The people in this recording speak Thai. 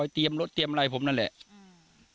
เตรียมรถเตรียมอะไรผมนั่นแหละอืม